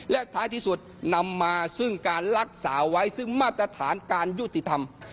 และท้ายที่สุดนำมาซึ่งการรักษาไว้ซึ่งมาตรฐานการยุติธรรม